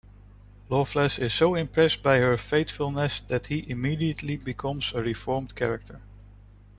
Loveless is so impressed by her faithfulness that he immediately becomes a reformed character.